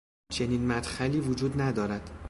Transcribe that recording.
چنین مدخلی وجود ندارد